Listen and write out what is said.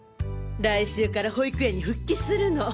来週から保育園に復帰するの。